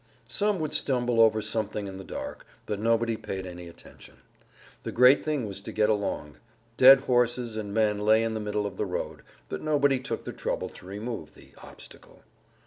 Some would stumble over something in the dark, but nobody paid any attention. The great thing was to get along. Dead horses and men lay in the middle of the road, but nobody took the trouble to remove the "obstacle."